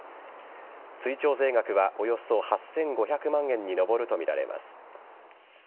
追徴税額はおよそ８５００万円に上るとみられます。